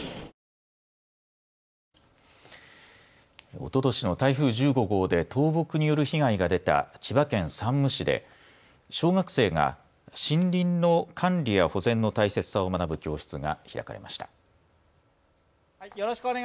おととしの台風１５号で倒木による被害が出た千葉県山武市で小学生が森林の管理や保全の大切さを学ぶ教室が開かれました。